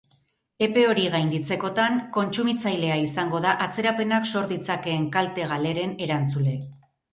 Epe hori gainditzekotan, kontsumitzailea izango da atzerapenak sor ditzakeen kalte-galeren erantzule.